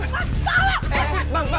astagfirullahaladzim metajeloma wakayera